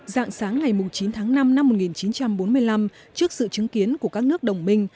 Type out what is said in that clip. dạng sáng ngày chín tháng năm năm một nghìn chín trăm bốn mươi năm trước sự chứng kiến của các nước đồng minh